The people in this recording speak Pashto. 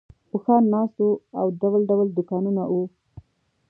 اوښان ناست وو او ډول ډول دوکانونه وو.